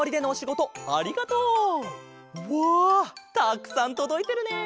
たくさんとどいてるね！